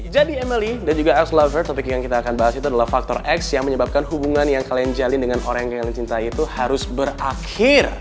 emily dan juga x lover topik yang kita akan bahas itu adalah faktor x yang menyebabkan hubungan yang kalian jalin dengan orang yang kalian cintai itu harus berakhir